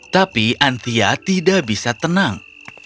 tapi antia tidak bisa tenang